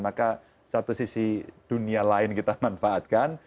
maka satu sisi dunia lain kita manfaatkan